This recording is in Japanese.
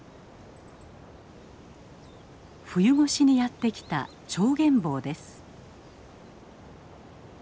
冬越しにやって来たチョウゲンボウです。